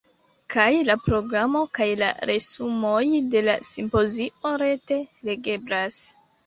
Kaj la programo kaj la resumoj de la simpozio rete legeblas.